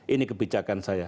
ini kebijakan saya